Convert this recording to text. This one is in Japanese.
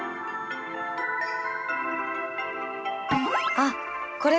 あっこれ